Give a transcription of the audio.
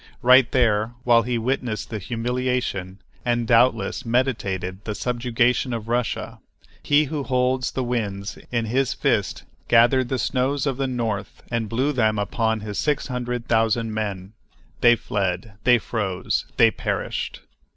Right there, while he witnessed the humiliation and doubtless meditated the subjugation of Russia, He who holds the winds in His fist gathered the snows of the north and blew them upon his six hundred thousand men; they fled—they froze—they perished.